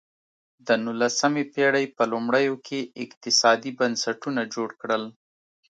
د نولسمې پېړۍ په لومړیو کې اقتصادي بنسټونه جوړ کړل.